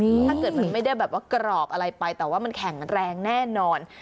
ถ้าเกิดมันไม่ได้แบบว่ากรอบอะไรไปแต่ว่ามันแข็งแรงแน่นอน